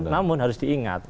namun harus diingat